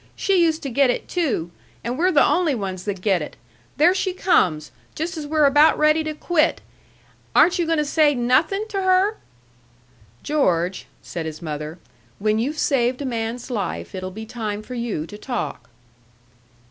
"She used to get it, too. And we're the only ones that get it. There she comes, just as we're about ready to quit! Aren't you going to say NOTHING to her?" "George," said his mother, "when you've saved a man's life it'll be time for you to talk."